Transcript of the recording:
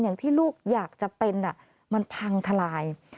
อย่างที่ลูกอยากจะเป็นมันพังทลาย